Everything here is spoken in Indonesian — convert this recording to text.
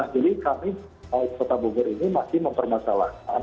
nah jadi kami kota bogor ini masih mempermasalahkan